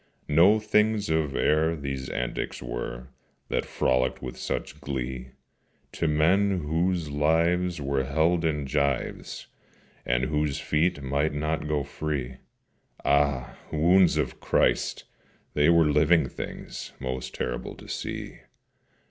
No things of air these antics were, That frolicked with such glee: To men whose lives were held in gyves, And whose feet might not go free, Ah! wounds of Christ! they were living things, Most terrible to see.